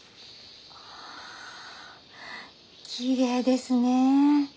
あきれいですね。